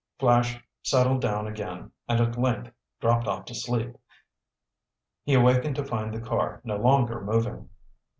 Flash settled down again and at length dropped off to sleep. He awakened to find the car no longer moving.